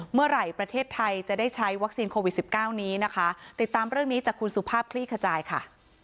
เมื่อไหร่ประเทศไทยจะได้ใช้วัคซีนโควิดสิบเก้านี้นะคะติดตามเรื่องนี้จากคุณสุภาพคลี่ขจายค่ะ